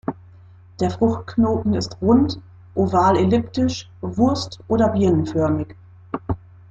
Der Fruchtknoten ist rund, oval-elliptisch, wurst- oder birnenförmig.